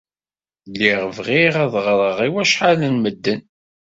Lliɣ bɣiɣ ad ɣreɣ i wacḥal n medden.